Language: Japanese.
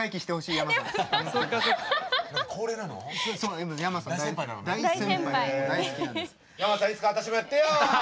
やまさんいつか私もやってよ！